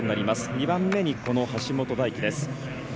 ２番目に橋本大輝です。